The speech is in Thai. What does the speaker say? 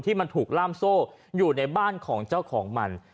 ที่มันถูกล่ามโซ่อยู่ในบ้านของเจ้าของมัน